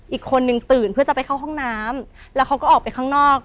อีกคนนึงตื่นเพื่อจะไปเข้าห้องน้ำแล้วเขาก็ออกไปข้างนอก